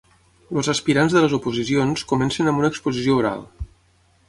Els aspirants de les oposicions comencen amb una exposició oral.